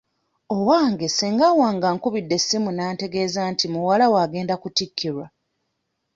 Owange ssenga wange ankubidde essimu ng'antegeeza nti muwala we agenda kutikkirwa.